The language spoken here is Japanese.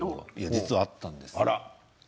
実はあったんです。